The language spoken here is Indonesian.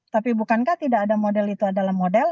tapi bukankah tidak ada model itu adalah model